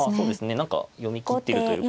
何か読み切っているというか。